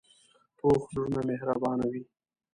پوخ زړونه مهربانه وي